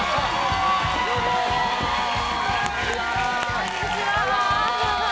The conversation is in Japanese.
こんにちは！